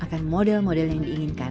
akan model model yang diinginkan